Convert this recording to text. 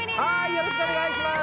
よろしくお願いします